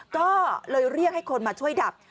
ก็เลยเรียกให้คนมาช่วยดับ